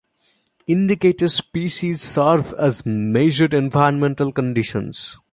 Indicator species serve as measured environmental conditions.